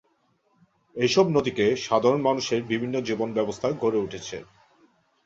এসব নদীকে সাধারণ মানুষের বিভিন্ন জীবন ব্যবস্থা গড়ে উঠেছে।